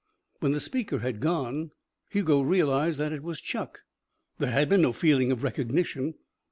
When the speaker had gone, Hugo realized that it was Chuck. There had been no feeling of recognition.